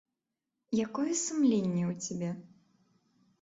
Якое сумленне ў цябе?